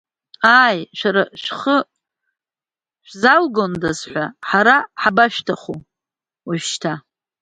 Аиеи, шәара шәхы шәзалгондаз ҳәа, ҳара ҳабашәҭаху уажәшьҭа…